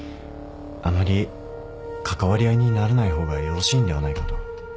あまり関わり合いにならない方がよろしいんではないかと